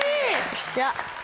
よっしゃ。